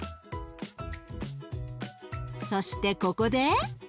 そしてここで。